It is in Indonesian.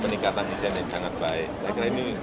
peningkatan misalnya sangat baik